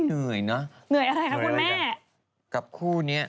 เหนื่อยนะ